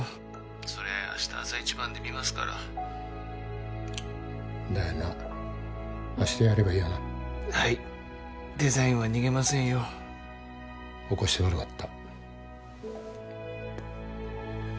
☎それ明日朝一番で見ますからだよな明日やればいいよなはいデザインは逃げませんよ起こして悪かった